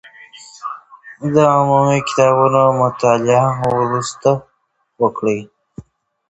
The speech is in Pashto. د عمومي کتابونو مطالعه وروسته وکړئ.